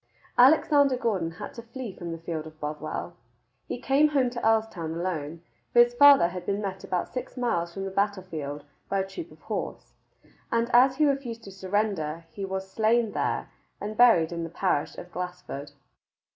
Alexander Gordon had to flee from the field of Bothwell. He came home to Earlstoun alone, for his father had been met about six miles from the battle field by a troop of horse, and as he refused to surrender, he was slain there and buried in the parish of Glassford.